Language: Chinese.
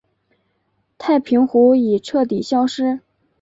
太平湖已彻底消失。